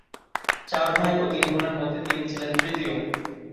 চার ভাই ও তিন বোনের মধ্যে তিনি ছিলেন তৃতীয়।